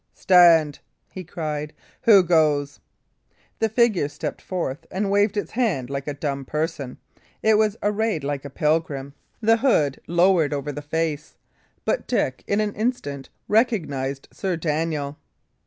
"Stand!" he cried. "Who goes?" The figure stepped forth and waved its hand like a dumb person. It was arrayed like a pilgrim, the hood lowered over the face, but Dick, in an instant, recognised Sir Daniel.